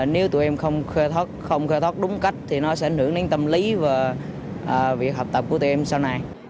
nếu tụi em không khơi thoát đúng cách thì nó sẽ ảnh hưởng đến tâm lý và việc học tập của tụi em sau này